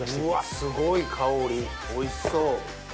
すごい香りおいしそう。